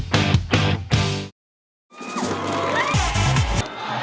มันอยู่ที่หัวใจ